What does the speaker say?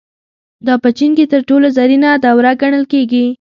دا په چین کې تر ټولو زرینه دوره ګڼل کېږي.